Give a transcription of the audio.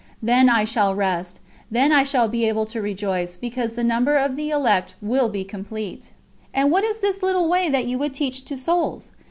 then I shall rest, then I shall be able to rejoice, because the number of the elect will be complete." "And what is this little way that you would teach to souls?"